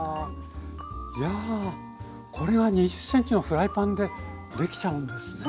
いやこれは２０ｃｍのフライパンでできちゃうんですね。